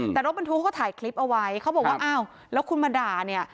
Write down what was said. แต่รถบรรทุกเขาก็ถ่ายคลิปเอาไว้เขาบอกว่าอ้าวแล้วคุณมาด่าเนี่ย